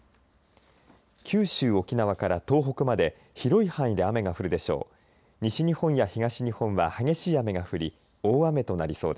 九州・沖縄から東北まで広い範囲で雨が降るでしょう。